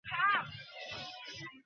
এরকম ছলনা করলে কেন?